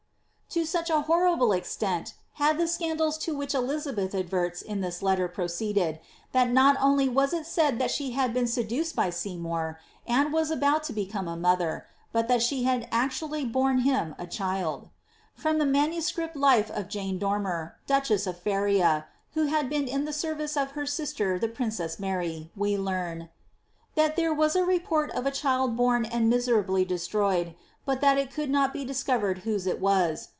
''* To such a horrible extent had the scandals to which Elizabeth ad verts in this letter proceeded, that not only was it said that she had been seduced by Seymour, and was about to become a mother, but that she had actually borne him a child. From the MS. life of Jane Dormer, duchess of Feria, who had been in the service of her sister the princesg Mary, we learn, ^ that there was a report of a child born and miserably destroyed, but that it could not be discovered whose it was.